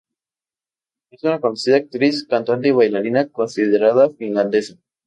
Es una conocida actriz, cantante y bailarina, considerada finlandesa.